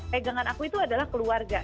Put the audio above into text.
pegangan aku itu adalah keluarga